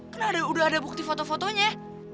kan udah ada bukti foto fotonya